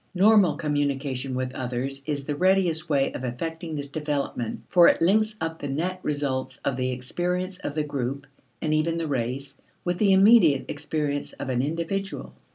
Normal communication with others is the readiest way of effecting this development, for it links up the net results of the experience of the group and even the race with the immediate experience of an individual.